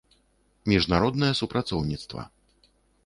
Мiжнароднае супрацоўнiцтва